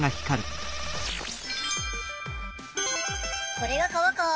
これが川か！